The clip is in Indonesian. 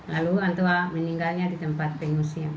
kemudian emus meninggal di tempat pengungsian